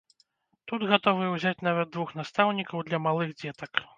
Тут гатовыя ўзяць нават двух настаўнікаў для малых дзетак.